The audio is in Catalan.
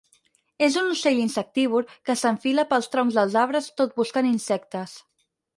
És un ocell insectívor que s'enfila pels troncs dels arbres tot buscant insectes.